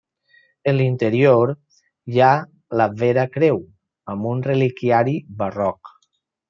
En l'interior hi ha la Vera Creu, amb un reliquiari barroc.